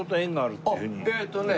えーっとね。